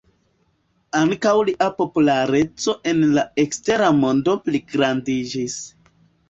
Ankaŭ lia populareco en la ekstera mondo pligrandiĝis.